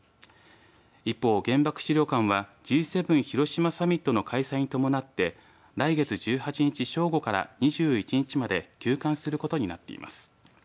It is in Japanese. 一方、原爆資料館はＧ７広島サミットの開催に伴って来月１８日正午から２１日まで休館することになっています。